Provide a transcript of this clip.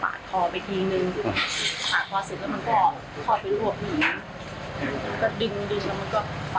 มันมีฟันไม่ยั้งเลยค่ะมันมียั้งเลือด